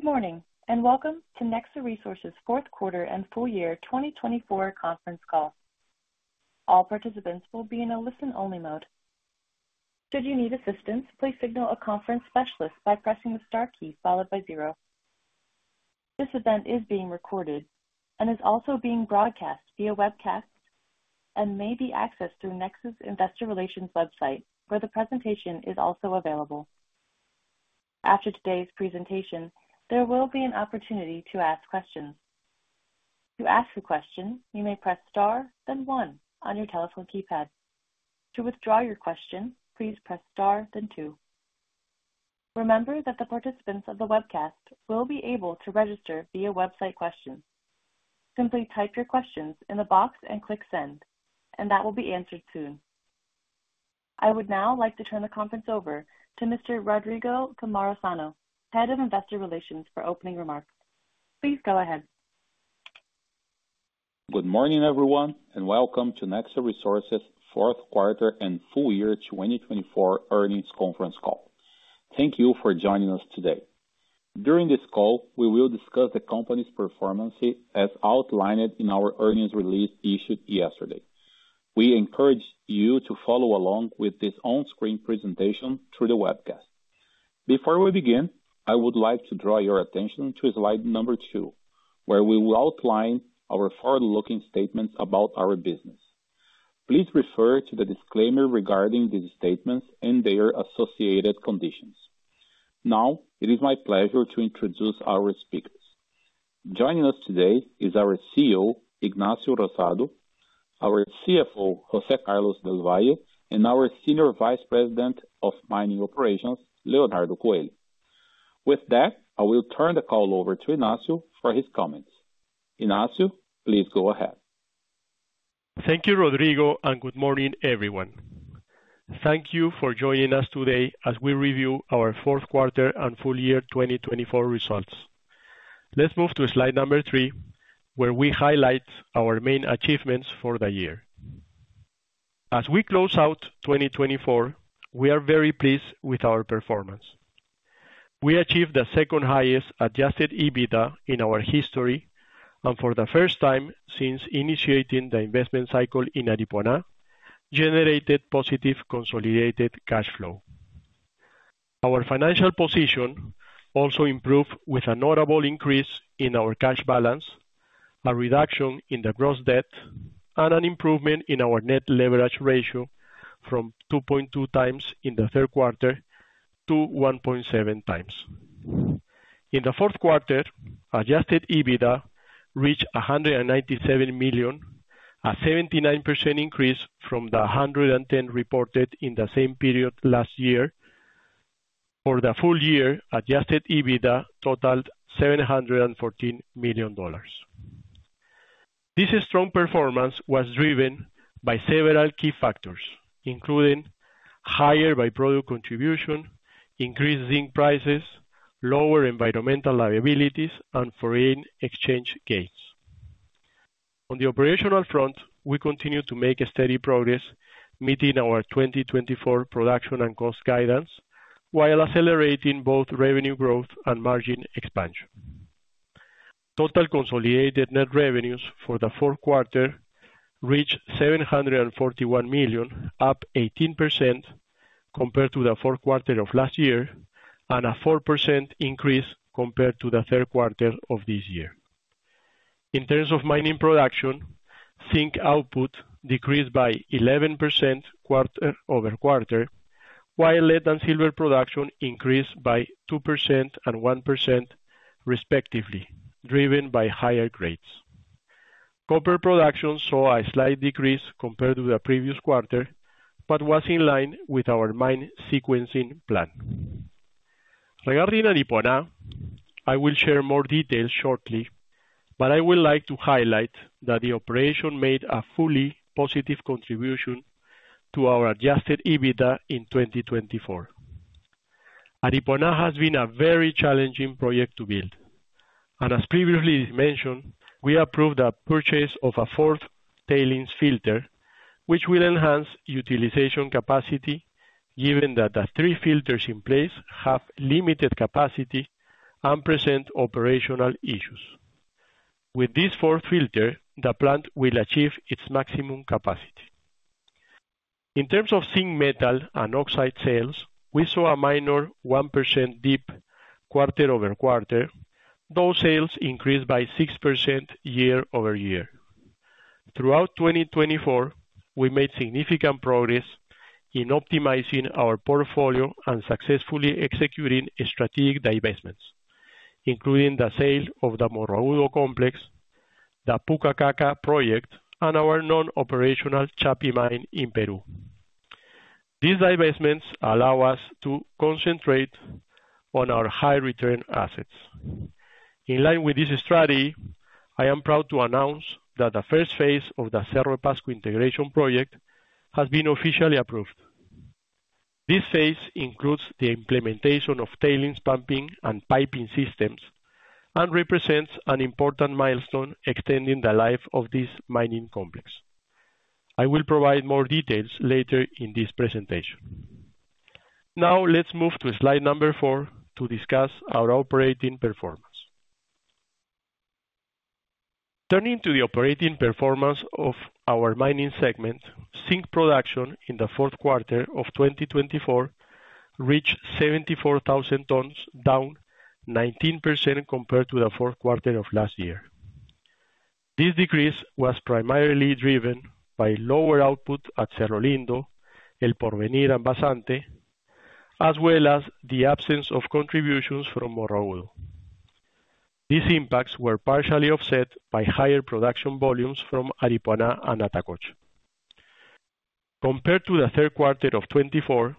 Good morning and welcome to Nexa Resources' fourth quarter and full year 2024 conference call. All participants will be in a listen-only mode. Should you need assistance, please signal a conference specialist by pressing the star key followed by zero. This event is being recorded and is also being broadcast via webcast and may be accessed through Nexa's Investor Relations website, where the presentation is also available. After today's presentation, there will be an opportunity to ask questions. To ask a question, you may press star, then one on your telephone keypad. To withdraw your question, please press star, then two. Remember that the participants of the webcast will be able to register via website questions. Simply type your questions in the box and click send, and that will be answered soon. I would now like to turn the conference over to Mr. Rodrigo Cammarosano, Head of Investor Relations, for opening remarks. Please go ahead. Good morning, everyone, and welcome to Nexa Resources' fourth quarter and full year 2024 earnings conference call. Thank you for joining us today. During this call, we will discuss the company's performance as outlined in our earnings release issued yesterday. We encourage you to follow along with this on-screen presentation through the webcast. Before we begin, I would like to draw your attention to slide number two, where we will outline our forward-looking statements about our business. Please refer to the disclaimer regarding these statements and their associated conditions. Now, it is my pleasure to introduce our speakers. Joining us today is our CEO, Ignacio Rosado, our CFO, José Carlos del Valle, and our Senior Vice President of Mining Operations, Leonardo Coelho. With that, I will turn the call over to Ignacio for his comments. Ignacio, please go ahead. Thank you, Rodrigo, and good morning, everyone. Thank you for joining us today as we review our fourth quarter and full year 2024 results. Let's move to slide number three, where we highlight our main achievements for the year. As we close out 2024, we are very pleased with our performance. We achieved the second highest Adjusted EBITDA in our history and, for the first time since initiating the investment cycle in Aripuanã, generated positive consolidated cash flow. Our financial position also improved with a notable increase in our cash balance, a reduction in the gross debt, and an improvement in our net leverage ratio from 2.2 times in the third quarter to 1.7 times. In the fourth quarter, Adjusted EBITDA reached $197 million, a 79% increase from the $110 reported in the same period last year. For the full year, Adjusted EBITDA totaled $714 million. This strong performance was driven by several key factors, including higher by-product contribution, increased zinc prices, lower environmental liabilities, and foreign exchange gains. On the operational front, we continue to make steady progress, meeting our 2024 production and cost guidance while accelerating both revenue growth and margin expansion. Total consolidated net revenues for the fourth quarter reached $741 million, up 18% compared to the fourth quarter of last year and a 4% increase compared to the third quarter of this year. In terms of mining production, zinc output decreased by 11% quarter over quarter, while lead and silver production increased by 2% and 1%, respectively, driven by higher grades. Copper production saw a slight decrease compared to the previous quarter but was in line with our mine sequencing plan. Regarding Aripuanã, I will share more details shortly, but I would like to highlight that the operation made a fully positive contribution to our Adjusted EBITDA in 2024. Aripuanã has been a very challenging project to build, and as previously mentioned, we approved the purchase of a fourth tailings filter, which will enhance utilization capacity given that the three filters in place have limited capacity and present operational issues. With this fourth filter, the plant will achieve its maximum capacity. In terms of zinc metal and oxide sales, we saw a minor 1% dip quarter over quarter. Those sales increased by 6% year over year. Throughout 2024, we made significant progress in optimizing our portfolio and successfully executing strategic divestments, including the sale of the Morro Agudo complex, the Pukaqaqa project, and our non-operational Chapi mine in Peru. These divestments allow us to concentrate on our high-return assets. In line with this strategy, I am proud to announce that the first phase of the Cerro de Pasco Integration Project has been officially approved. This phase includes the implementation of tailings pumping and piping systems and represents an important milestone extending the life of this mining complex. I will provide more details later in this presentation. Now, let's move to slide number four to discuss our operating performance. Turning to the operating performance of our mining segment, zinc production in the fourth quarter of 2024 reached 74,000 tons, down 19% compared to the fourth quarter of last year. This decrease was primarily driven by lower output at Cerro Lindo, El Porvenir, and Vazante, as well as the absence of contributions from Morro Agudo. These impacts were partially offset by higher production volumes from Aripuanã and Atacocha. Compared to the third quarter of 2024,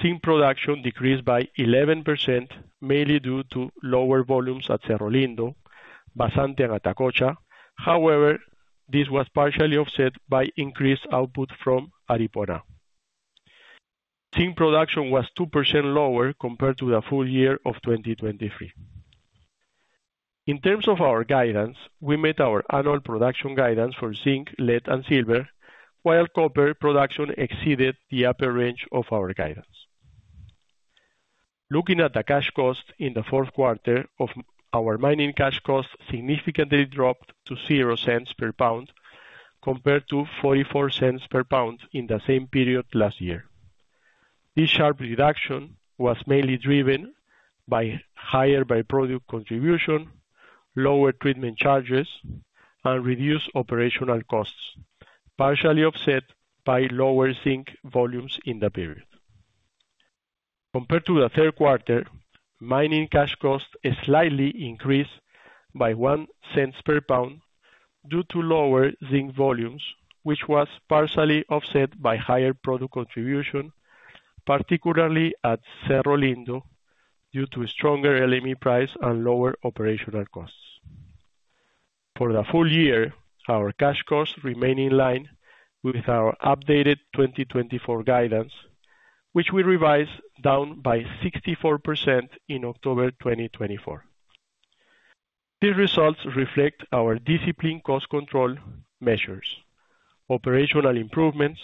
zinc production decreased by 11%, mainly due to lower volumes at Cerro Lindo, Vazante, and Atacocha. However, this was partially offset by increased output from Aripuanã. Zinc production was 2% lower compared to the full year of 2023. In terms of our guidance, we met our annual production guidance for zinc, lead, and silver, while copper production exceeded the upper range of our guidance. Looking at the cash cost in the fourth quarter, our mining cash cost significantly dropped to $0 per pound compared to $0.44 per pound in the same period last year. This sharp reduction was mainly driven by higher by-product contribution, lower treatment charges, and reduced operational costs, partially offset by lower zinc volumes in the period. Compared to the third quarter, mining cash cost slightly increased by $0.01 per pound due to lower zinc volumes, which was partially offset by higher product contribution, particularly at Cerro Lindo due to stronger LME price and lower operational costs. For the full year, our cash cost remained in line with our updated 2024 guidance, which we revised down by 64% in October 2024. These results reflect our disciplined cost control measures, operational improvements,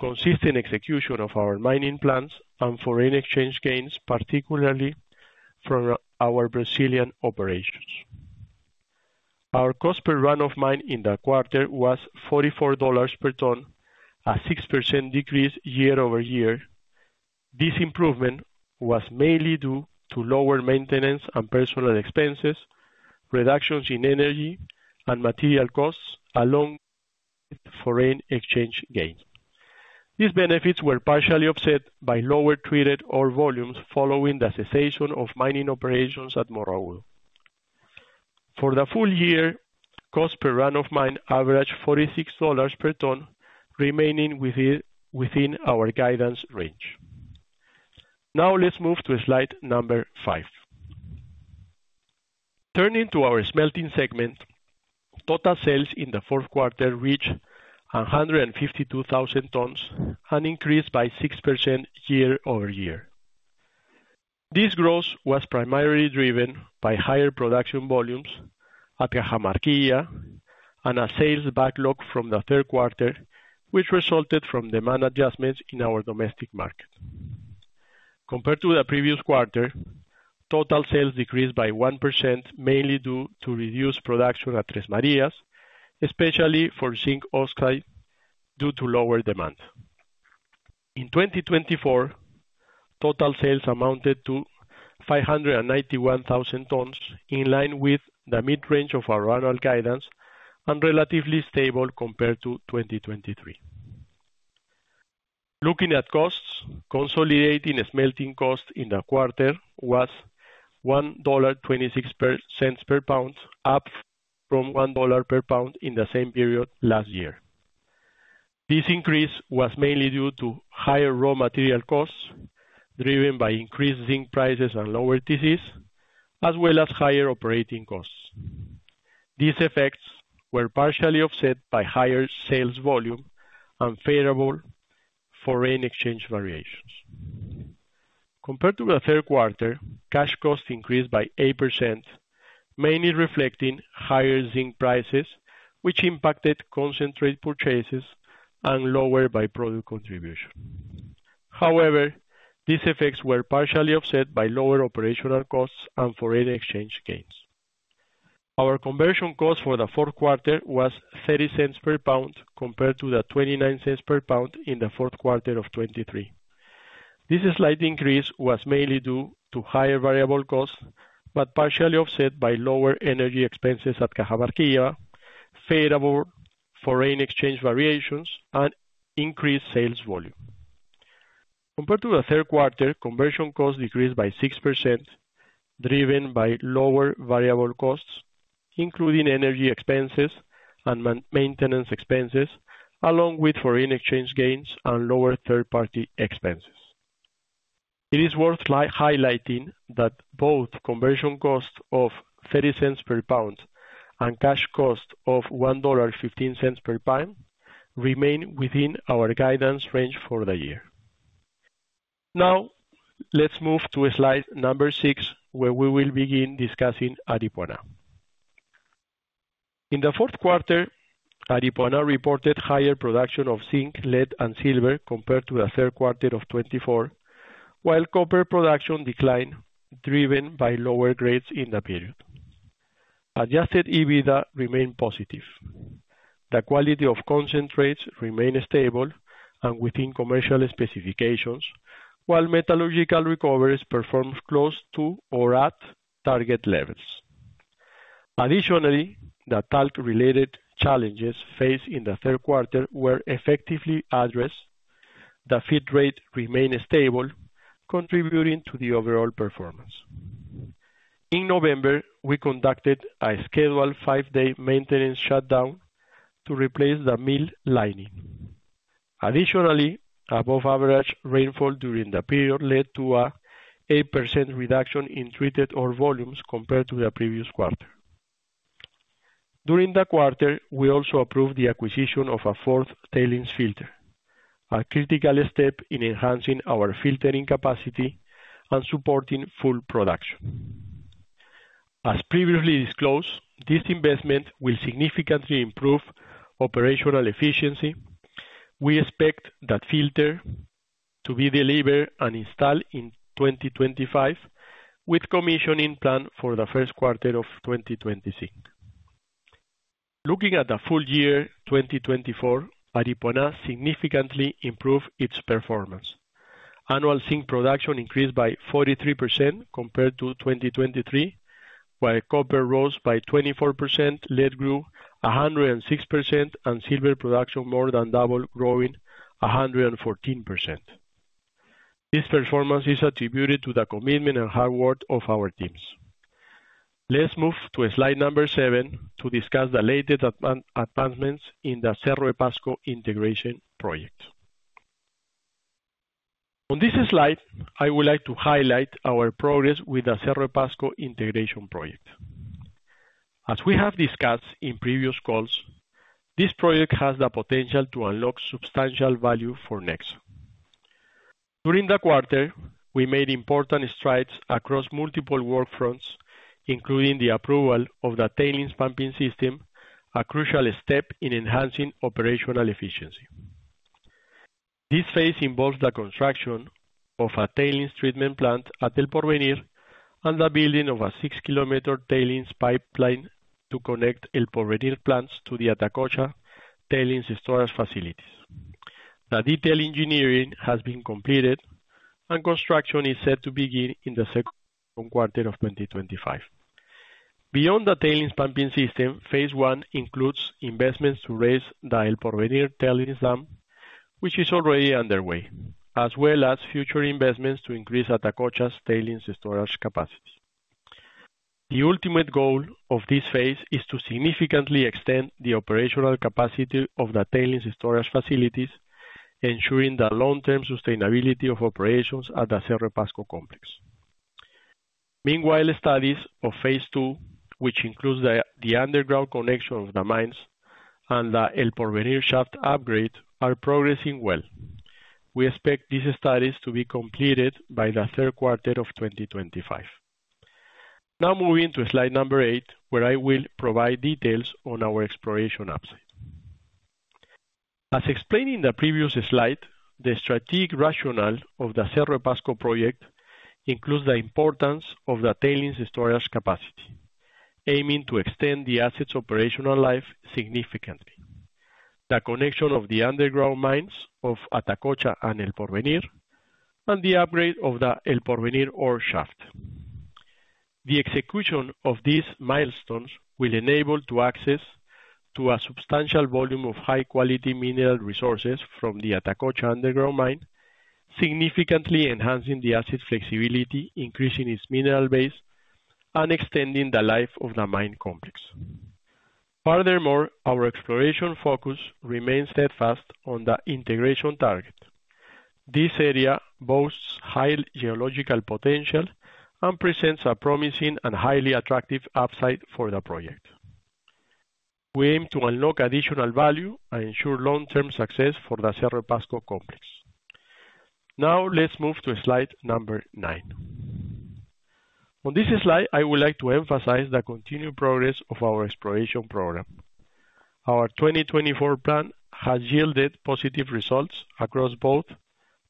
consistent execution of our mining plans, and foreign exchange gains, particularly from our Brazilian operations. Our cost per run of mine in the quarter was $44 per ton, a 6% decrease year over year. This improvement was mainly due to lower maintenance and personal expenses, reductions in energy and material costs, along with foreign exchange gains. These benefits were partially offset by lower traded ore volumes following the cessation of mining operations at Morro Agudo. For the full year, cost per run of mine averaged $46 per ton, remaining within our guidance range. Now, let's move to slide number five. Turning to our smelting segment, total sales in the fourth quarter reached 152,000 tons and increased by 6% year over year. This growth was primarily driven by higher production volumes at Cajamarquilla and a sales backlog from the third quarter, which resulted from demand adjustments in our domestic market. Compared to the previous quarter, total sales decreased by 1%, mainly due to reduced production at Três Marias, especially for zinc oxide due to lower demand. In 2024, total sales amounted to 591,000 tons, in line with the mid-range of our annual guidance and relatively stable compared to 2023. Looking at costs, consolidated smelting cost in the quarter was $1.26 per pound, up from $1 per pound in the same period last year. This increase was mainly due to higher raw material costs driven by increased zinc prices and lower TCs, as well as higher operating costs. These effects were partially offset by higher sales volume and favorable foreign exchange variations. Compared to the third quarter, cash cost increased by 8%, mainly reflecting higher zinc prices, which impacted concentrate purchases and lower by-product contribution. However, these effects were partially offset by lower operational costs and foreign exchange gains. Our conversion cost for the fourth quarter was $0.30 per pound compared to the $0.29 per pound in the fourth quarter of 2023. This slight increase was mainly due to higher variable costs but partially offset by lower energy expenses at Cajamarquilla, favorable foreign exchange variations, and increased sales volume. Compared to the third quarter, conversion cost decreased by 6%, driven by lower variable costs, including energy expenses and maintenance expenses, along with foreign exchange gains and lower third-party expenses. It is worth highlighting that both conversion costs of $0.30 per pound and cash cost of $1.15 per pound remain within our guidance range for the year. Now, let's move to slide number six, where we will begin discussing Aripuanã. In the fourth quarter, Aripuanã reported higher production of zinc, lead, and silver compared to the third quarter of 2024, while copper production declined driven by lower grades in the period. Adjusted EBITDA remained positive. The quality of concentrates remained stable and within commercial specifications, while metallurgical recoveries performed close to or at target levels. Additionally, the talc-related challenges faced in the third quarter were effectively addressed. The feed rate remained stable, contributing to the overall performance. In November, we conducted a scheduled five-day maintenance shutdown to replace the mill lining. Additionally, above-average rainfall during the period led to an 8% reduction in treated ore volumes compared to the previous quarter. During the quarter, we also approved the acquisition of a fourth tailings filter, a critical step in enhancing our filtering capacity and supporting full production. As previously disclosed, this investment will significantly improve operational efficiency. We expect that filter to be delivered and installed in 2025, with commissioning planned for the first quarter of 2026. Looking at the full year 2024, Aripuanã significantly improved its performance. Annual zinc production increased by 43% compared to 2023, while copper rose by 24%, lead grew 106%, and silver production more than double, growing 114%. This performance is attributed to the commitment and hard work of our teams. Let's move to slide number seven to discuss the latest advancements in the Cerro de Pasco Integration Project. On this slide, I would like to highlight our progress with the Cerro de Pasco Integration Project. As we have discussed in previous calls, this project has the potential to unlock substantial value for Nexa. During the quarter, we made important strides across multiple work fronts, including the approval of the tailings pumping system, a crucial step in enhancing operational efficiency. This phase involves the construction of a tailings treatment plant at El Porvenir and the building of a six-kilometer tailings pipeline to connect El Porvenir plants to the Atacocha tailings storage facilities. The detailed engineering has been completed, and construction is set to begin in the second quarter of 2025. Beyond the tailings pumping system, phase one includes investments to raise the El Porvenir tailings dam, which is already underway, as well as future investments to increase Atacocha's tailings storage capacity. The ultimate goal of this phase is to significantly extend the operational capacity of the tailings storage facilities, ensuring the long-term sustainability of operations at the Cerro de Pasco complex. Meanwhile, studies of phase two, which includes the underground connection of the mines and the El Porvenir shaft upgrade, are progressing well. We expect these studies to be completed by the third quarter of 2025. Now, moving to slide number eight, where I will provide details on our exploration upside. As explained in the previous slide, the strategic rationale of the Cerro de Pasco Project includes the importance of the tailings storage capacity, aiming to extend the asset's operational life significantly: the connection of the underground mines of Atacocha and El Porvenir, and the upgrade of the El Porvenir ore shaft. The execution of these milestones will enable access to a substantial volume of high-quality mineral resources from the Atacocha underground mine, significantly enhancing the asset's flexibility, increasing its mineral base, and extending the life of the mine complex. Furthermore, our exploration focus remains steadfast on the integration target. This area boasts high geological potential and presents a promising and highly attractive upside for the project. We aim to unlock additional value and ensure long-term success for the Cerro de Pasco complex. Now, let's move to slide number nine. On this slide, I would like to emphasize the continued progress of our exploration program. Our 2024 plan has yielded positive results across both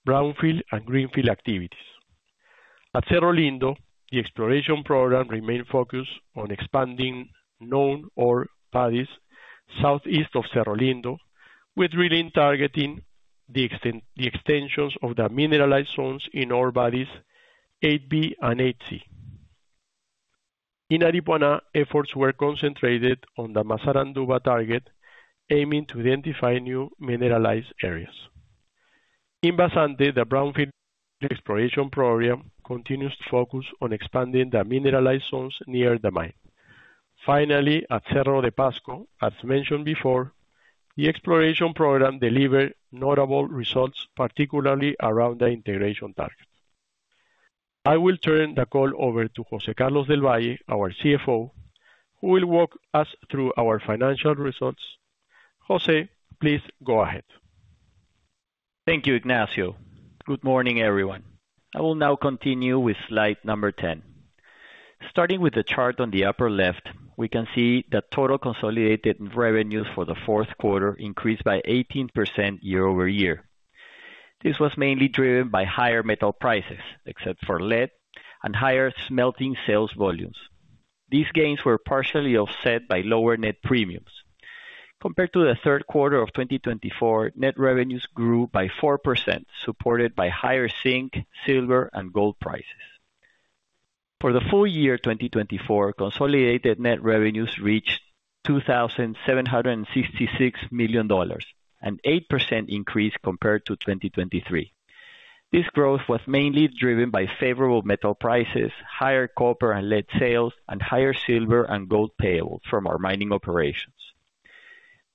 brownfield and greenfield activities. At Cerro Lindo, the exploration program remained focused on expanding known ore bodies southeast of Cerro Lindo, with drilling targeting the extensions of the mineralized zones in ore bodies 8B and 8C. In Aripuanã, efforts were concentrated on the Massaranduba target, aiming to identify new mineralized areas. In Vazante, the brownfield exploration program continues to focus on expanding the mineralized zones near the mine. Finally, at Cerro de Pasco, as mentioned before, the exploration program delivered notable results, particularly around the El Porvenir target. I will turn the call over to José Carlos del Valle, our CFO, who will walk us through our financial results. José, please go ahead. Thank you, Ignacio. Good morning, everyone. I will now continue with slide number 10. Starting with the chart on the upper left, we can see that total consolidated revenues for the fourth quarter increased by 18% year over year. This was mainly driven by higher metal prices, except for lead, and higher smelting sales volumes. These gains were partially offset by lower net premiums. Compared to the third quarter of 2024, net revenues grew by 4%, supported by higher zinc, silver, and gold prices. For the full year 2024, consolidated net revenues reached $2,766 million, an 8% increase compared to 2023. This growth was mainly driven by favorable metal prices, higher copper and lead sales, and higher silver and gold payables from our mining operations.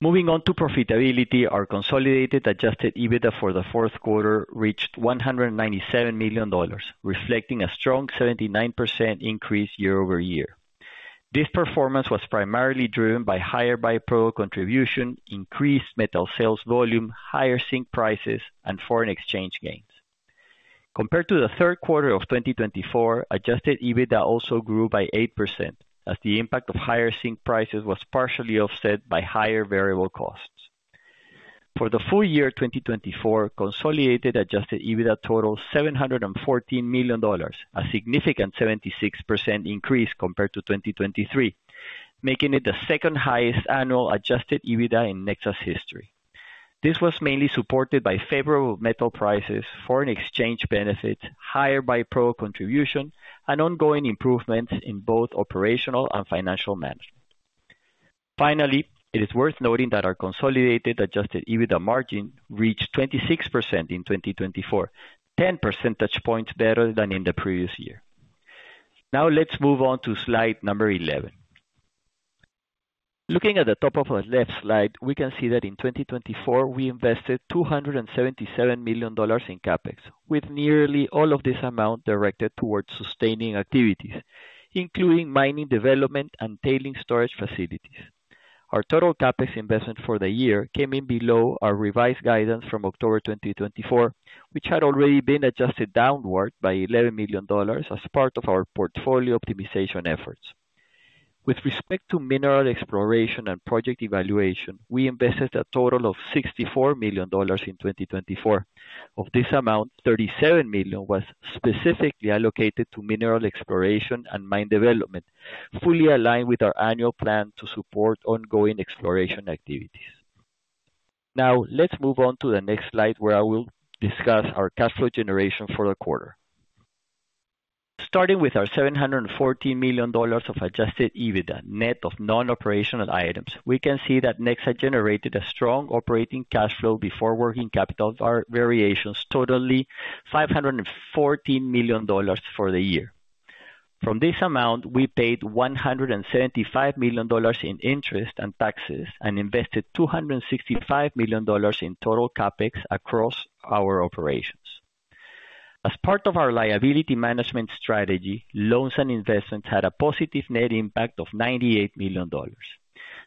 Moving on to profitability, our consolidated Adjusted EBITDA for the fourth quarter reached $197 million, reflecting a strong 79% increase year over year. This performance was primarily driven by higher by-product contribution, increased metal sales volume, higher zinc prices, and foreign exchange gains. Compared to the third quarter of 2024, Adjusted EBITDA also grew by 8%, as the impact of higher zinc prices was partially offset by higher variable costs. For the full year 2024, consolidated Adjusted EBITDA totaled $714 million, a significant 76% increase compared to 2023, making it the second highest annual Adjusted EBITDA in Nexa's history. This was mainly supported by favorable metal prices, foreign exchange benefits, higher by-product contribution, and ongoing improvements in both operational and financial management. Finally, it is worth noting that our consolidated Adjusted EBITDA margin reached 26% in 2024, 10 percentage points better than in the previous year. Now, let's move on to slide number 11. Looking at the top of the left slide, we can see that in 2024, we invested $277 million in CapEx, with nearly all of this amount directed towards sustaining activities, including mining development and tailings storage facilities. Our total CapEx investment for the year came in below our revised guidance from October 2024, which had already been adjusted downward by $11 million as part of our portfolio optimization efforts. With respect to mineral exploration and project evaluation, we invested a total of $64 million in 2024. Of this amount, $37 million was specifically allocated to mineral exploration and mine development, fully aligned with our annual plan to support ongoing exploration activities. Now, let's move on to the next slide, where I will discuss our cash flow generation for the quarter. Starting with our $714 million of Adjusted EBITDA, net of non-operational items, we can see that Nexa generated a strong operating cash flow before working capital variations, totaling $514 million for the year. From this amount, we paid $175 million in interest and taxes and invested $265 million in total CapEx across our operations. As part of our liability management strategy, loans and investments had a positive net impact of $98 million.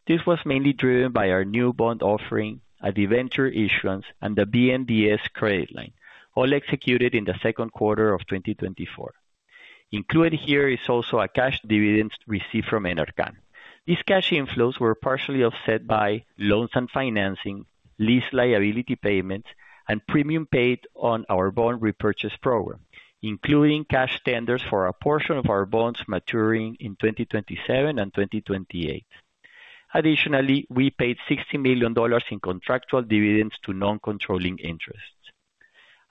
This was mainly driven by our new bond offering, a debenture issuance, and the BNDES credit line, all executed in the second quarter of 2024. Included here is also a cash dividend received from Enercan. These cash inflows were partially offset by loans and financing, lease liability payments, and premium paid on our bond repurchase program, including cash tenders for a portion of our bonds maturing in 2027 and 2028. Additionally, we paid $60 million in contractual dividends to non-controlling interests.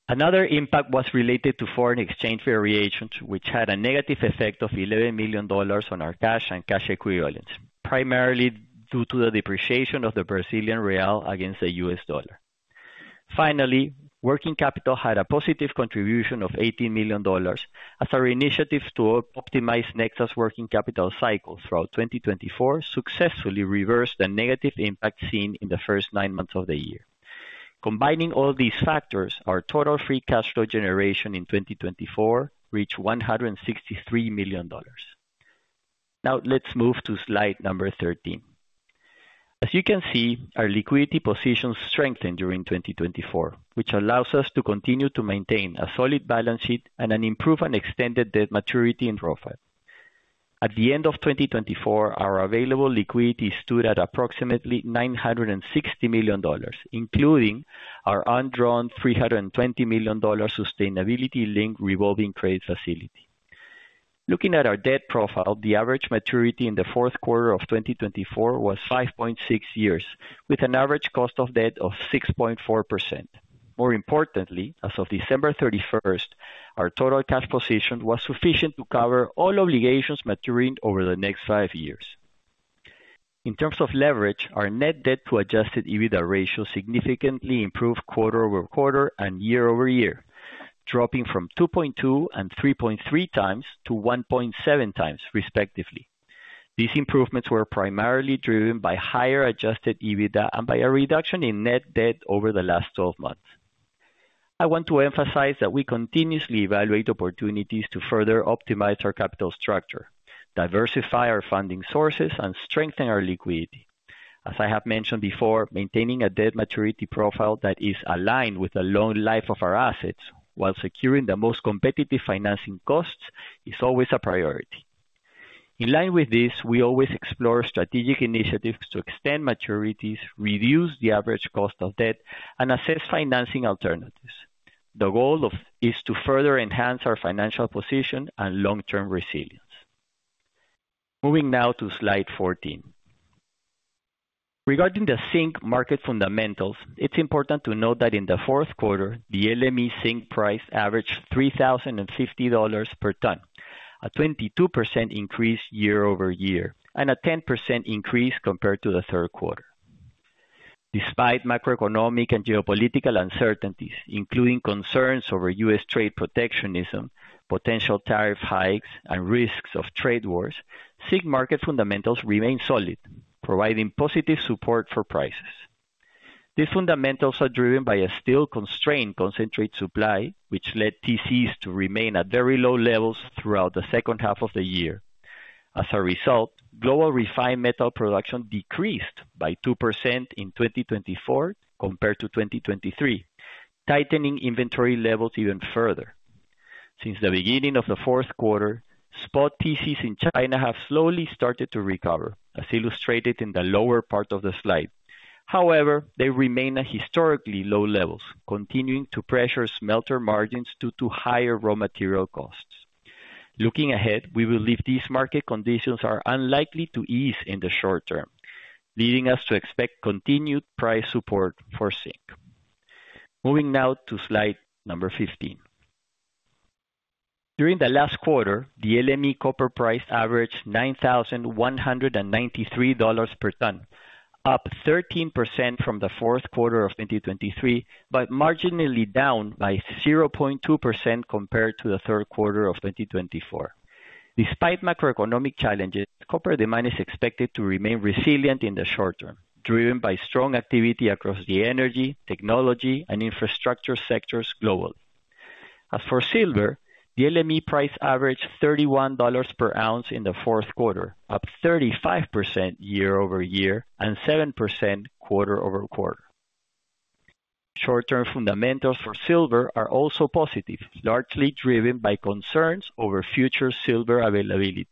Another impact was related to foreign exchange variations, which had a negative effect of $11 million on our cash and cash equivalents, primarily due to the depreciation of the Brazilian real against the US dollar. Finally, working capital had a positive contribution of $18 million, as our initiative to optimize Nexa's working capital cycle throughout 2024 successfully reversed the negative impact seen in the first nine months of the year. Combining all these factors, our total free cash flow generation in 2024 reached $163 million. Now, let's move to slide number 13. As you can see, our liquidity positions strengthened during 2024, which allows us to continue to maintain a solid balance sheet and improve an extended debt maturity and profile. At the end of 2024, our available liquidity stood at approximately $960 million, including our undrawn $320 million sustainability-linked revolving credit facility. Looking at our debt profile, the average maturity in the fourth quarter of 2024 was 5.6 years, with an average cost of debt of 6.4%. More importantly, as of December 31st, our total cash position was sufficient to cover all obligations maturing over the next five years. In terms of leverage, our net debt-to-adjusted EBITDA ratio significantly improved quarter over quarter and year over year, dropping from 2.2 and 3.3 times to 1.7 times, respectively. These improvements were primarily driven by higher adjusted EBITDA and by a reduction in net debt over the last 12 months. I want to emphasize that we continuously evaluate opportunities to further optimize our capital structure, diversify our funding sources, and strengthen our liquidity. As I have mentioned before, maintaining a debt maturity profile that is aligned with the loan life of our assets, while securing the most competitive financing costs, is always a priority. In line with this, we always explore strategic initiatives to extend maturities, reduce the average cost of debt, and assess financing alternatives. The goal is to further enhance our financial position and long-term resilience. Moving now to slide 14. Regarding the zinc market fundamentals, it's important to note that in the fourth quarter, the LME zinc price averaged $3,050 per ton, a 22% increase year over year, and a 10% increase compared to the third quarter. Despite macroeconomic and geopolitical uncertainties, including concerns over U.S. trade protectionism, potential tariff hikes, and risks of trade wars, zinc market fundamentals remain solid, providing positive support for prices. These fundamentals are driven by a still constrained concentrate supply, which led TCs to remain at very low levels throughout the second half of the year. As a result, global refined metal production decreased by 2% in 2024 compared to 2023, tightening inventory levels even further. Since the beginning of the fourth quarter, spot TCs in China have slowly started to recover, as illustrated in the lower part of the slide. However, they remain at historically low levels, continuing to pressure smelter margins due to higher raw material costs. Looking ahead, we believe these market conditions are unlikely to ease in the short term, leading us to expect continued price support for zinc. Moving now to slide number 15. During the last quarter, the LME copper price averaged $9,193 per ton, up 13% from the fourth quarter of 2023, but marginally down by 0.2% compared to the third quarter of 2024. Despite macroeconomic challenges, copper demand is expected to remain resilient in the short term, driven by strong activity across the energy, technology, and infrastructure sectors globally. As for silver, the LME price averaged $31 per ounce in the fourth quarter, up 35% year over year and 7% quarter over quarter. Short-term fundamentals for silver are also positive, largely driven by concerns over future silver availability.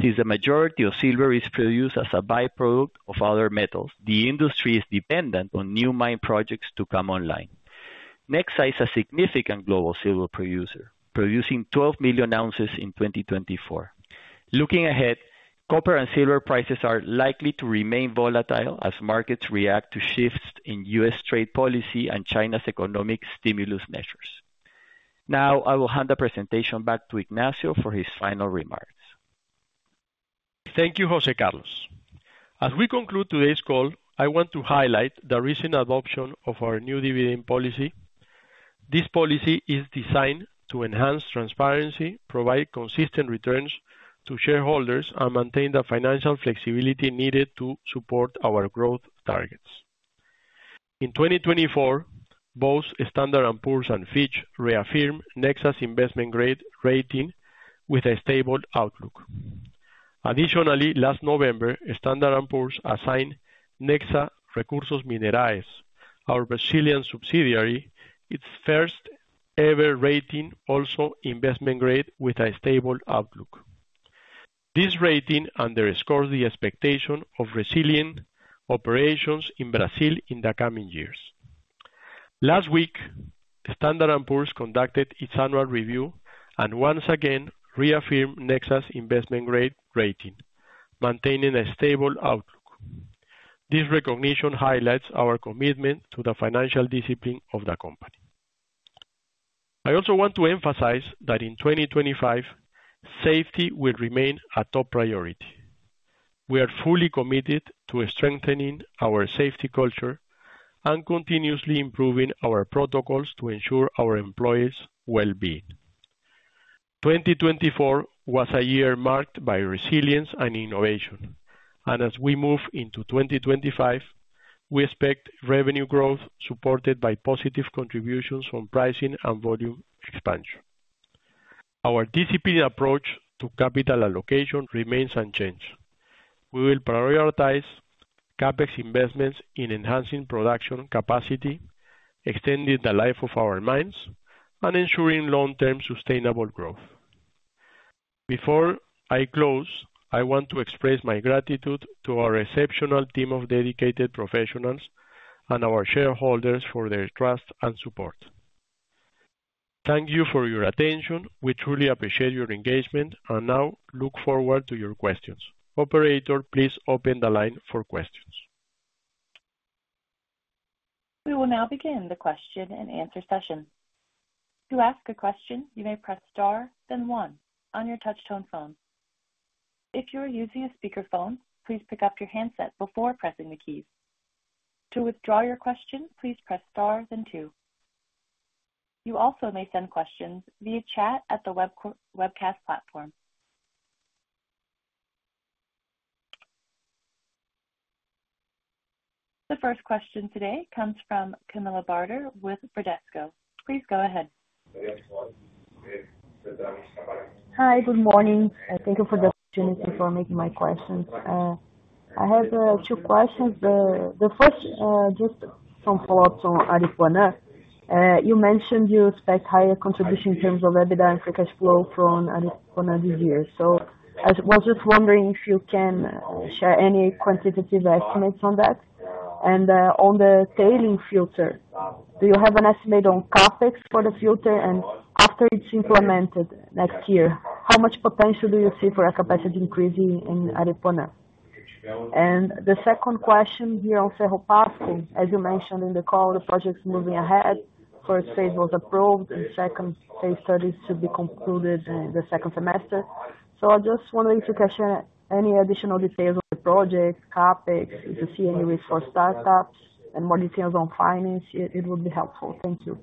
Since the majority of silver is produced as a by-product of other metals, the industry is dependent on new mine projects to come online. Nexa is a significant global silver producer, producing 12 million ounces in 2024. Looking ahead, copper and silver prices are likely to remain volatile as markets react to shifts in U.S. trade policy and China's economic stimulus measures. Now, I will hand the presentation back to Ignacio for his final remarks. Thank you, José Carlos. As we conclude today's call, I want to highlight the recent adoption of our new dividend policy. This policy is designed to enhance transparency, provide consistent returns to shareholders, and maintain the financial flexibility needed to support our growth targets. In 2024, both Standard & Poor's and Fitch reaffirmed Nexa's investment grade rating with a stable outlook. Additionally, last November, Standard & Poor's assigned Nexa Recursos Minerais, our Brazilian subsidiary, its first-ever rating also investment grade with a stable outlook. This rating underscores the expectation of resilient operations in Brazil in the coming years. Last week, Standard & Poor's conducted its annual review and once again reaffirmed Nexa's investment grade rating, maintaining a stable outlook. This recognition highlights our commitment to the financial discipline of the company. I also want to emphasize that in 2025, safety will remain a top priority. We are fully committed to strengthening our safety culture and continuously improving our protocols to ensure our employees' well-being. 2024 was a year marked by resilience and innovation, and as we move into 2025, we expect revenue growth supported by positive contributions from pricing and volume expansion. Our disciplined approach to capital allocation remains unchanged. We will prioritize CapEx investments in enhancing production capacity, extending the life of our mines, and ensuring long-term sustainable growth. Before I close, I want to express my gratitude to our exceptional team of dedicated professionals and our shareholders for their trust and support. Thank you for your attention. We truly appreciate your engagement and now look forward to your questions. Operator, please open the line for questions. We will now begin the question and answer session. To ask a question, you may press star, then one, on your touch-tone phone. If you are using a speakerphone, please pick up your handset before pressing the keys. To withdraw your question, please press star, then two. You also may send questions via chat at the webcast platform. The first question today comes from Camilla Barder with Bradesco BBI. Please go ahead. Hi, good morning. Thank you for the opportunity for making my questions. I have two questions. The first, just some follow-ups on Aripuanã. You mentioned you expect higher contribution in terms of EBITDA and free cash flow from Aripuanã this year. So I was just wondering if you can share any quantitative estimates on that. And on the tailings filter, do you have an estimate on CapEx for the filter and after it's implemented next year? How much potential do you see for a capacity increase in Aripuanã? And the second question here on Cerro de Pasco, as you mentioned in the call, the project's moving ahead. First phase was approved, and second phase studies should be concluded in the second semester. So I just wanted to capture any additional details on the project, CapEx, if you see any resource startups, and more details on finance. It would be helpful. Thank you.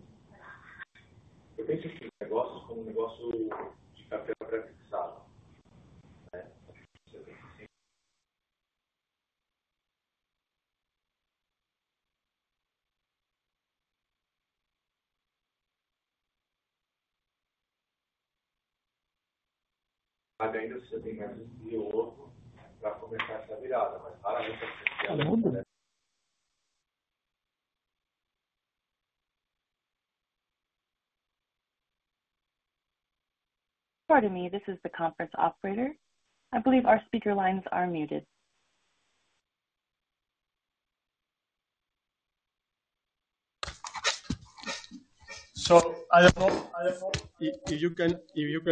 Pardon me, this is the conference operator. I believe our speaker lines are muted. So I hope you can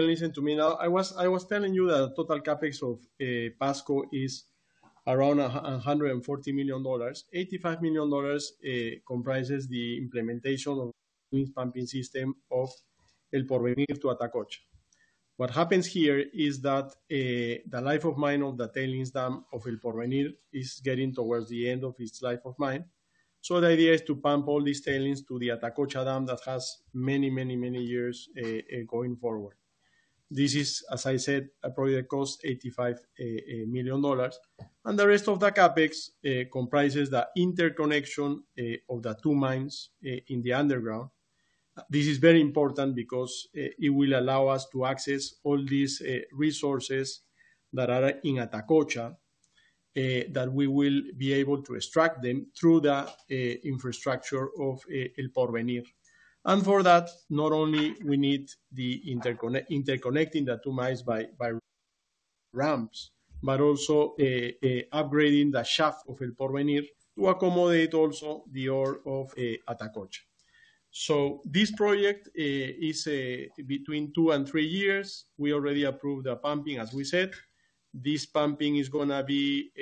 listen to me now. I was telling you that the total CapEx of Cerro de Pasco is around $140 million. $85 million comprises the implementation of the tailings pumping system of El Porvenir to Atacocha. What happens here is that the life of mine of the tailings dam of El Porvenir is getting towards the end of its life of mine. So the idea is to pump all these tailings to the Atacocha dam that has many, many, many years going forward. This is, as I said, a project cost of $85 million. And the rest of the CapEx comprises the interconnection of the two mines in the underground. This is very important because it will allow us to access all these resources that are in Atacocha, that we will be able to extract them through the infrastructure of El Porvenir. And for that, not only do we need the interconnecting the two mines by ramps, but also upgrading the shaft of El Porvenir to accommodate also the ore of Atacocha. So this project is between two and three years. We already approved the pumping, as we said. This pumping is going to be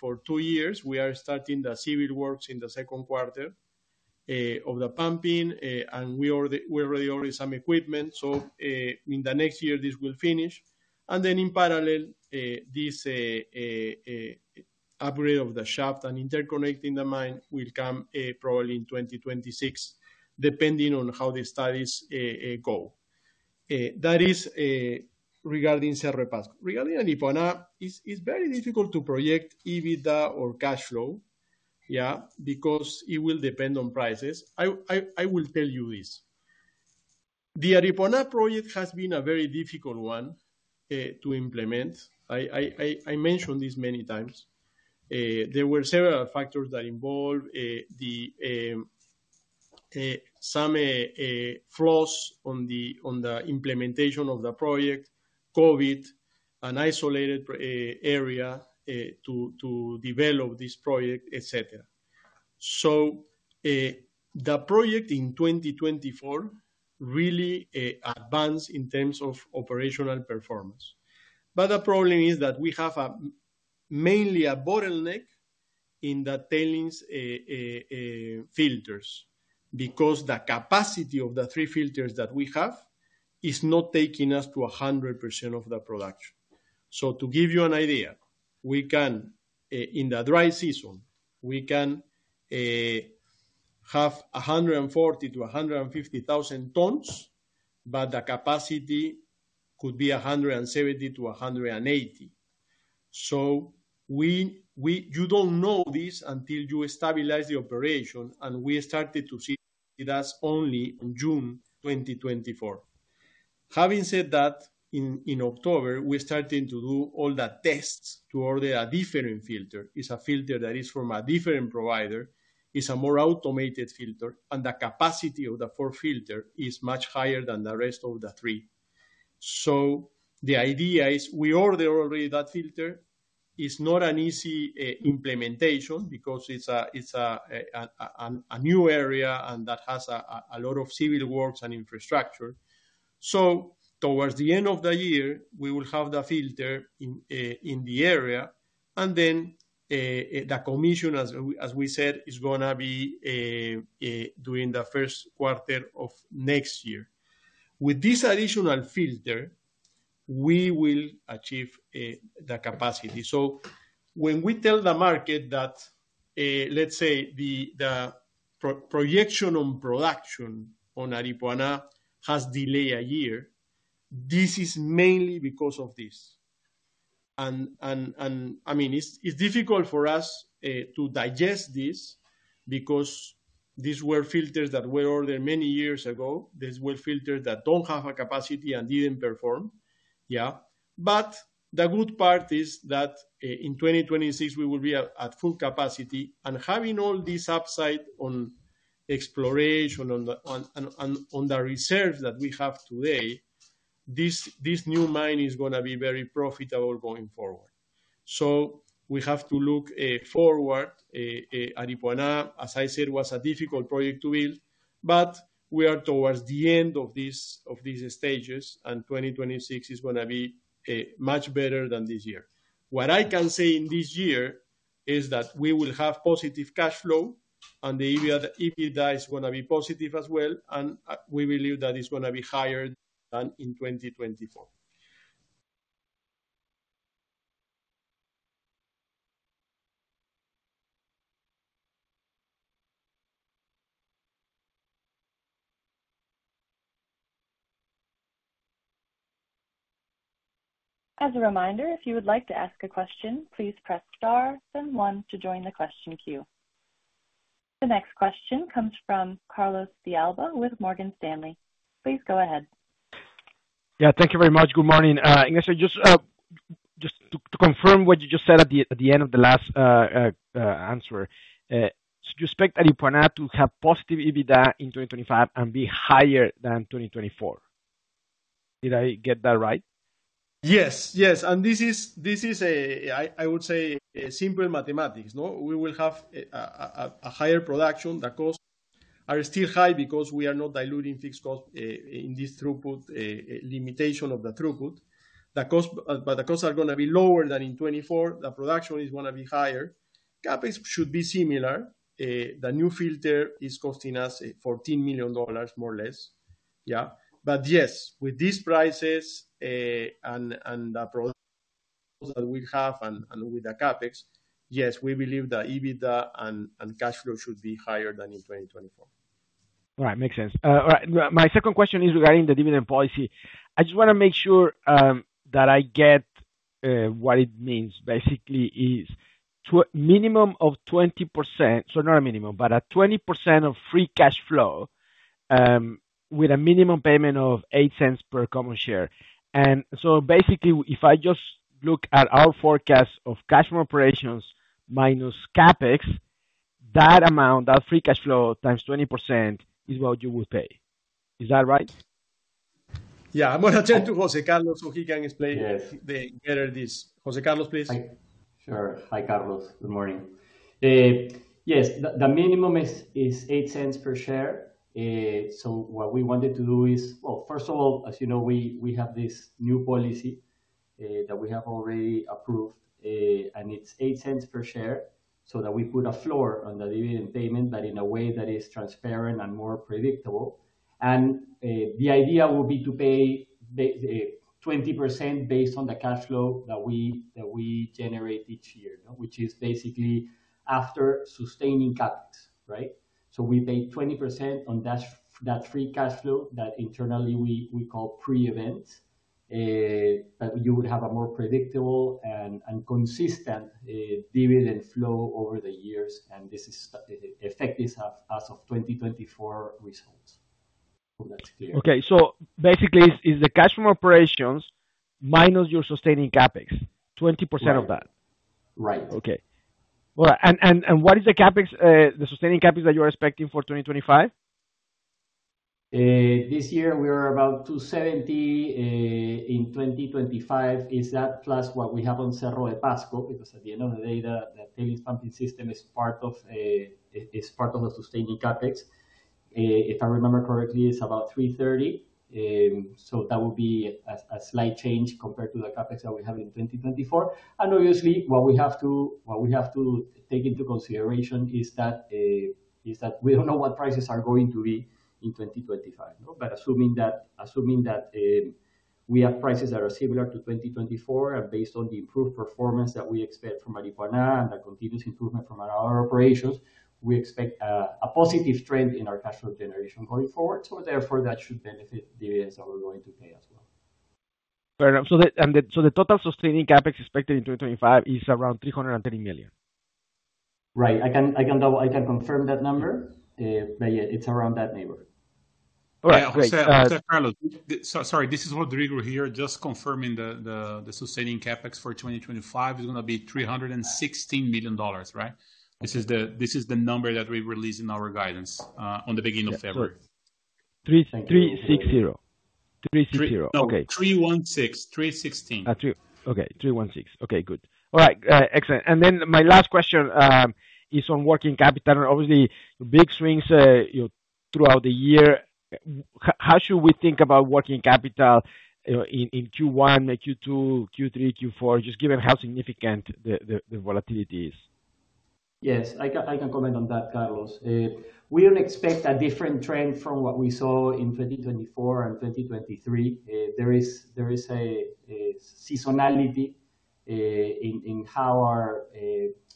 for two years. We are starting the civil works in the second quarter of the pumping, and we already ordered some equipment, so in the next year, this will finish. And then in parallel, this upgrade of the shaft and interconnecting the mine will come probably in 2026, depending on how the studies go. That is regarding Cerro de Pasco. Regarding Aripuanã, it's very difficult to project EBITDA or cash flow, yeah, because it will depend on prices. I will tell you this. The Aripuanã project has been a very difficult one to implement. I mentioned this many times. There were several factors that involved some flaws on the implementation of the project, COVID, an isolated area to develop this project, etc., so the project in 2024 really advanced in terms of operational performance. But the problem is that we have mainly a bottleneck in the tailings filters because the capacity of the three filters that we have is not taking us to 100% of the production. So to give you an idea, in the dry season, we can have 140,000-150,000 tons, but the capacity could be 170,000-180,000. So you don't know this until you stabilize the operation, and we started to see that only in June 2024. Having said that, in October, we started to do all the tests to order a different filter. It's a filter that is from a different provider. It's a more automated filter, and the capacity of the four filters is much higher than the rest of the three. So the idea is we order already that filter. It's not an easy implementation because it's a new area and that has a lot of civil works and infrastructure. So towards the end of the year, we will have the filter in the area, and then the commission, as we said, is going to be during the first quarter of next year. With this additional filter, we will achieve the capacity. So when we tell the market that, let's say, the projection on production on Aripuanã has delayed a year, this is mainly because of this. And I mean, it's difficult for us to digest this because these were filters that were ordered many years ago. These were filters that don't have a capacity and didn't perform, yeah. But the good part is that in 2026, we will be at full capacity. Having all this upside on exploration and on the reserves that we have today, this new mine is going to be very profitable going forward. We have to look forward. Aripuanã, as I said, was a difficult project to build, but we are towards the end of these stages, and 2026 is going to be much better than this year. What I can say in this year is that we will have positive cash flow, and the EBITDA is going to be positive as well, and we believe that it's going to be higher than in 2024. As a reminder, if you would like to ask a question, please press star, then one, to join the question queue. The next question comes from Carlos de Alba with Morgan Stanley. Please go ahead. Yeah, thank you very much. Good morning. Ignacio, just to confirm what you just said at the end of the last answer, do you expect Aripuanã to have positive EBITDA in 2025 and be higher than 2024? Did I get that right? Yes, yes. And this is, I would say, simple mathematics. We will have a higher production. The costs are still high because we are not diluting fixed costs in this throughput limitation of the throughput. But the costs are going to be lower than in 2024. The production is going to be higher. CapEx should be similar. The new filter is costing us $14 million, more or less, yeah. But yes, with these prices and the process that we have and with the CapEx, yes, we believe that EBITDA and cash flow should be higher than in 2024. All right, makes sense. All right, my second question is regarding the dividend policy. I just want to make sure that I get what it means. Basically, it's a minimum of 20%, so not a minimum, but 20% of free cash flow with a minimum payment of $0.08 per common share. And so basically, if I just look at our forecast of cash flow operations minus CapEx, that amount, that free cash flow times 20% is what you would pay. Is that right? Yeah, I'm going to turn to José Carlos so he can explain better this. José Carlos, please. Sure. Hi, Carlos. Good morning. Yes, the minimum is $0.08 per share, so what we wanted to do is, well, first of all, as you know, we have this new policy that we have already approved, and it's $0.08 per share so that we put a floor on the dividend payment, but in a way that is transparent and more predictable. And the idea will be to pay 20% based on the cash flow that we generate each year, which is basically after sustaining CapEx, right? So we pay 20% on that free cash flow that internally we call pre-event, but you would have a more predictable and consistent dividend flow over the years, and this is effective as of 2024 results. Hope that's clear. Okay, so basically, it's the cash flow operations minus your sustaining CapEx, 20% of that. Right. Okay. All right. And what is the sustaining CapEx that you're expecting for 2025? This year, we are about 270. In 2025, is that plus what we have on Cerro de Pasco? Because at the end of the day, the tailings pumping system is part of the sustaining CapEx. If I remember correctly, it's about 330. So that would be a slight change compared to the CapEx that we have in 2024. And obviously, what we have to take into consideration is that we don't know what prices are going to be in 2025. But assuming that we have prices that are similar to 2024 and based on the improved performance that we expect from Aripuanã and the continuous improvement from our operations, we expect a positive trend in our cash flow generation going forward. So therefore, that should benefit dividends that we're going to pay as well. Fair enough. So the total sustaining CapEx expected in 2025 is around $330 million. Right. I can confirm that number, but it's around that neighborhood. All right. Sorry, this is Rodrigo here, just confirming the sustaining CapEx for 2025 is going to be $316 million, right? This is the number that we released in our guidance on the beginning of February. 360. 360. 360. Okay. 316. 316. Okay. 316. Okay, good. All right. Excellent. And then my last question is on working capital. Obviously, big swings throughout the year. How should we think about working capital in Q1, Q2, Q3, Q4, just given how significant the volatility is? Yes, I can comment on that, Carlos. We don't expect a different trend from what we saw in 2024 and 2023. There is a seasonality in how our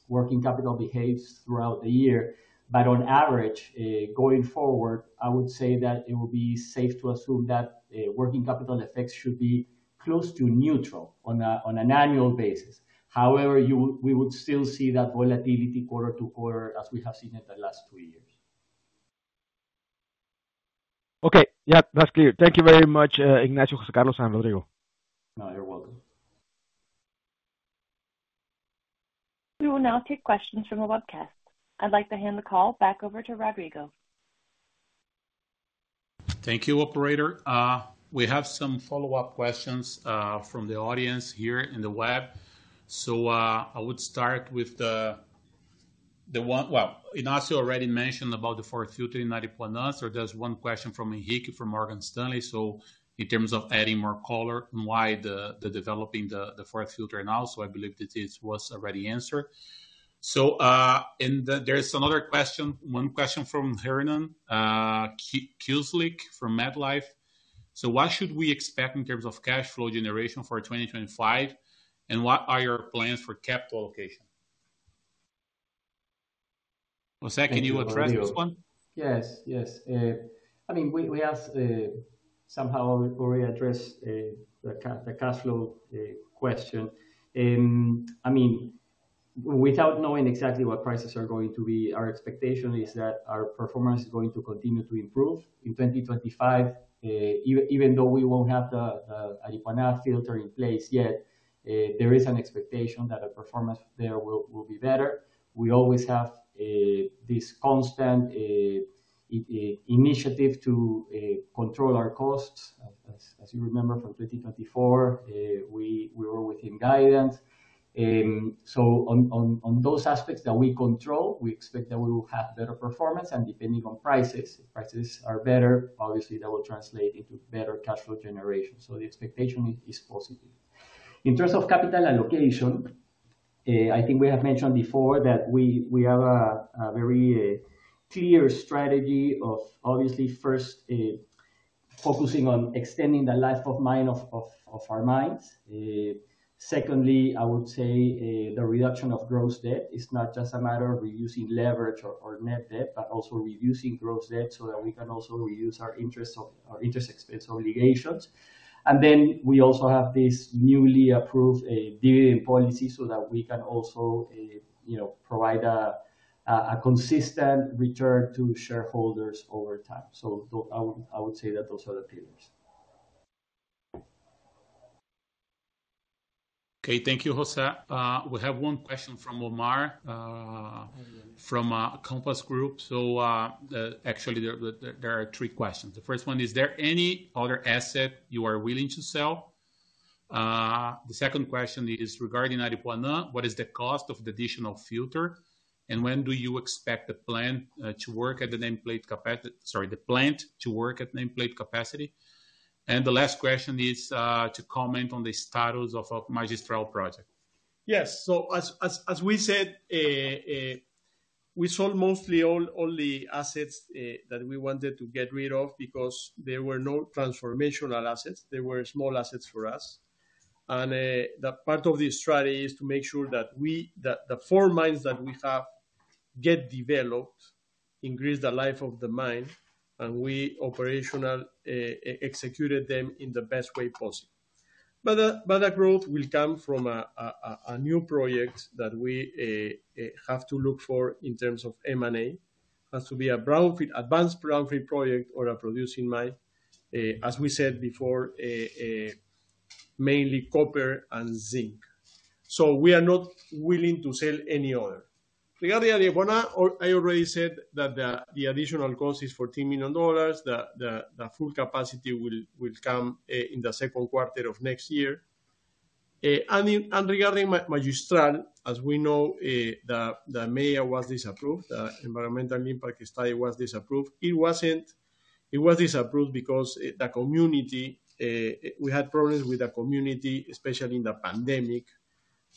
working capital behaves throughout the year. But on average, going forward, I would say that it would be safe to assume that working capital effects should be close to neutral on an annual basis. However, we would still see that volatility quarter to quarter as we have seen in the last two years. Okay. Yeah, that's clear. Thank you very much, Ignacio, José Carlos, and Rodrigo. No, you're welcome. We will now take questions from the webcast. I'd like to hand the call back over to Rodrigo. Thank you, Operator. We have some follow-up questions from the audience here in the web. I would start with the one. Well, Ignacio already mentioned about the fourth filter in Aripuanã. There's one question from Henrique from Morgan Stanley. In terms of adding more color and why they're developing the fourth filter now, I believe this was already answered. There's another question, one question from Hernán Kisluk from MetLife. What should we expect in terms of cash flow generation for 2025? And what are your plans for capital allocation? José, can you address this one? Yes, yes. I mean, we asked somehow or we addressed the cash flow question. I mean, without knowing exactly what prices are going to be, our expectation is that our performance is going to continue to improve in 2025. Even though we won't have the Aripuanã filter in place yet, there is an expectation that our performance there will be better. We always have this constant initiative to control our costs. As you remember, from 2024, we were within guidance. So on those aspects that we control, we expect that we will have better performance, and depending on prices, if prices are better, obviously, that will translate into better cash flow generation, so the expectation is positive. In terms of capital allocation, I think we have mentioned before that we have a very clear strategy of obviously first focusing on extending the life of our mines. Secondly, I would say the reduction of gross debt is not just a matter of reducing leverage or net debt, but also reducing gross debt so that we can also reduce our interest expense obligations. And then we also have this newly approved dividend policy so that we can also provide a consistent return to shareholders over time. So I would say that those are the pillars. Okay, thank you, José. We have one question from Omar from Compass Group. So actually, there are three questions. The first one, is there any other asset you are willing to sell? The second question is regarding Aripuanã, what is the cost of the additional filter? And when do you expect the plant to work at the nameplate capacity? Sorry, the plant to work at nameplate capacity? And the last question is to comment on the status of Magistral project. Yes. So as we said, we sold mostly all the assets that we wanted to get rid of because there were no transformational assets. There were small assets for us. And part of the strategy is to make sure that the four mines that we have get developed, increase the life of the mine, and we operationally executed them in the best way possible. But the growth will come from a new project that we have to look for in terms of M&A. It has to be an advanced brownfield project or a producing mine. As we said before, mainly copper and zinc. So we are not willing to sell any other. Regarding Aripuanã, I already said that the additional cost is $14 million. The full capacity will come in the second quarter of next year. And regarding Magistral, as we know, the MEIA was disapproved. The environmental impact study was disapproved. It was disapproved because the community we had problems with, especially in the pandemic,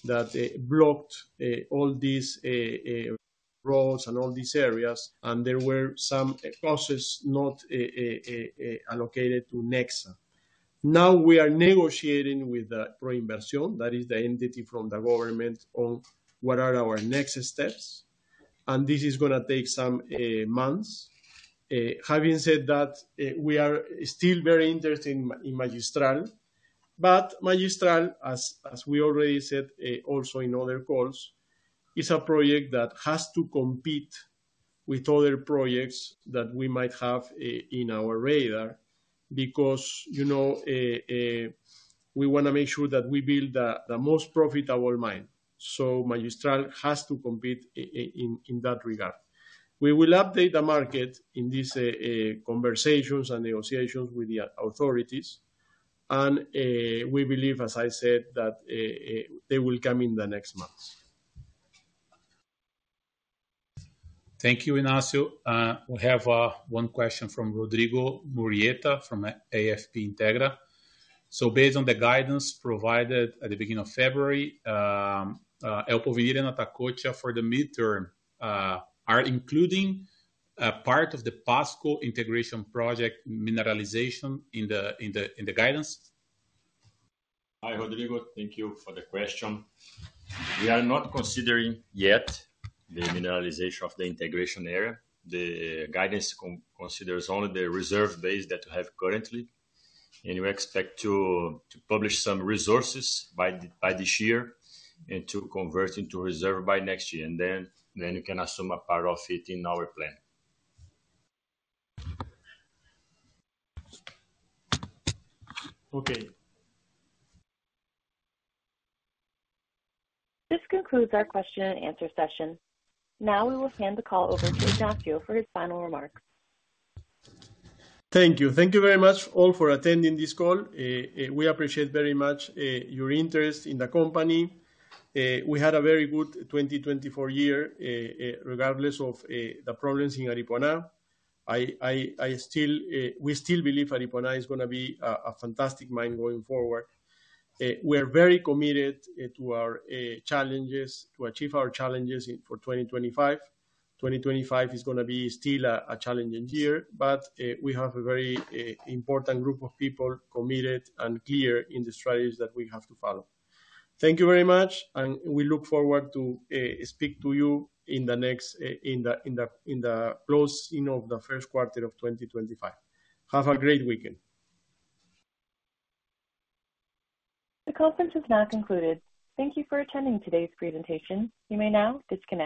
that blocked all these roads and all these areas, and there were some costs not allocated to Nexa. Now we are negotiating with ProInversión, that is the entity from the government, on what are our next steps, and this is going to take some months. Having said that, we are still very interested in Magistral, but Magistral, as we already said also in other calls, is a project that has to compete with other projects that we might have in our radar because we want to make sure that we build the most profitable mine, so Magistral has to compete in that regard. We will update the market in these conversations and negotiations with the authorities. And we believe, as I said, that they will come in the next months. Thank you, Ignacio. We have one question from Rodrigo Murrieta from AFP Integra. So, based on the guidance provided at the beginning of February, El Porvenir, Atacocha for the mid-term, are including part of the Pasco integration project mineralization in the guidance? Hi, Rodrigo. Thank you for the question. We are not considering yet the mineralization of the integration area. The guidance considers only the reserve base that we have currently. And we expect to publish some resources by this year and to convert into reserve by next year. And then we can assume a part of it in our plan. Okay. This concludes our question and answer session. Now we will hand the call over to Ignacio for his final remarks. Thank you. Thank you very much, all, for attending this call. We appreciate very much your interest in the company. We had a very good 2024 year regardless of the problems in Aripuanã. We still believe Aripuanã is going to be a fantastic mine going forward. We are very committed to achieve our challenges for 2025. 2025 is going to be still a challenging year, but we have a very important group of people committed and clear in the strategies that we have to follow. Thank you very much, and we look forward to speak to you in the closing of the first quarter of 2025. Have a great weekend. The conference has now concluded. Thank you for attending today's presentation. You may now disconnect.